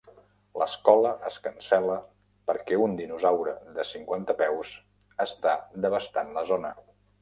L'escola es cancel·la perquè un dinosaure de cinquanta peus està devastant la zona.